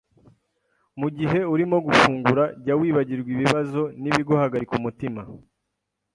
Mu gihe urimo gufungura, jya wibagirwa ibibazo n’ibiguhagarika umutima;